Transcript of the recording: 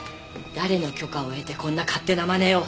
誰の許可を得てこんな勝手なまねを。